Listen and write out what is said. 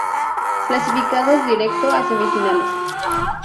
Clasificados Directo a Semifinales